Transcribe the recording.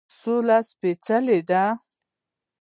سوله سپیڅلې ده